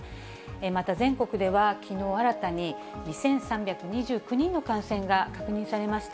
また全国では、きのう新たに２３２９人の感染が確認されました。